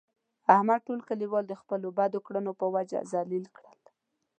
احمد ټول کلیوال د خپلو بدو کړنو په وجه ذلیله کړل.